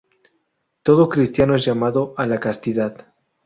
Todo cristiano es llamado a la castidad.